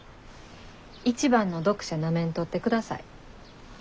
一番の読者なめんとってください。